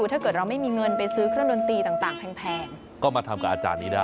ถ้าเกิดเราไม่มีเงินไปซื้อเครื่องดนตรีต่างแพงก็มาทำกับอาจารย์นี้ได้